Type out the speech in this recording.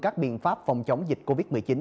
các biện pháp phòng chống dịch covid một mươi chín